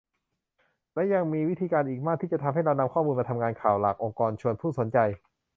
และยังมีวิธีการอีกมากที่จะให้เรานำข้อมูลมาทำงานข่าว หลากองค์กรชวนผู้สนใจ